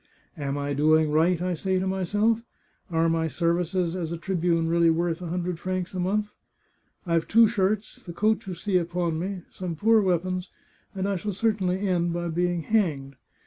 ' Am I doing right ?' I say to myself, * Are my services as a tribune really worth a hundred francs a month ?' I've two shirts, the coat you see upon me, some poor weapons, and I shall certainly end by being hanged.